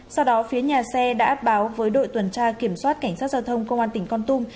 sau đó phía nhà xe đã báo với đội tuần tra kiểm soát cảnh sát giao thông công an tỉnh con tum